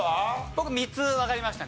僕３つわかりましたね。